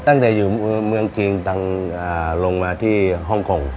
ตั้งแต่อยู่เมืองจีนตั้งลงมาที่ฮ่องกง